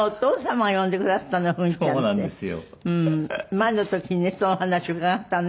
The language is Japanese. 前の時にねその話伺ったね。